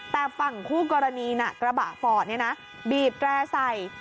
แต่ฝั่งคู่กรณีน่ะกระบะฟอร์ดเนี่ยนะบีบแร่ใส่